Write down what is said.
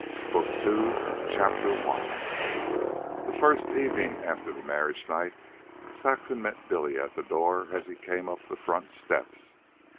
BOOK II CHAPTER I The first evening after the marriage night Saxon met Billy at the door as he came up the front steps.